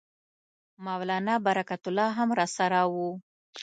مولنا برکت الله هم راسره وو.